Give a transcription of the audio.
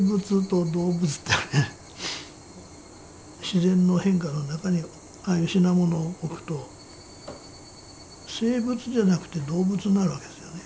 自然の変化の中にああいう品物を置くと静物じゃなくて動物になるわけですよね。